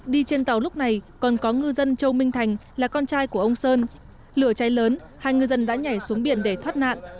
đi trên tàu lúc này còn có ngư dân châu minh thành là con trai của ông sơn lửa cháy lớn hai ngư dân đã nhảy xuống biển để thoát nạn